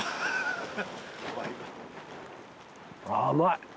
甘い！